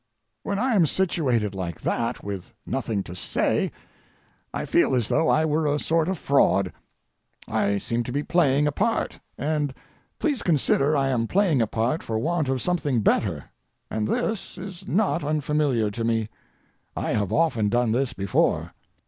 When I am situated like that, with nothing to say, I feel as though I were a sort of fraud; I seem to be playing a part, and please consider I am playing a part for want of something better, and this is not unfamiliar to me; I have often done this before.